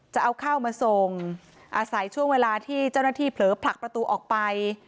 จะเอาข้าวมาส่งอาศัยช่วงเวลาที่เจ้าหน้าที่เผลอผลักประตูออกไป